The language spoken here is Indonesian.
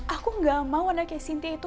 aku gak mau anaknya sintia itu